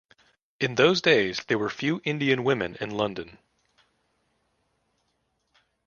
In those days there were few Indian women in London.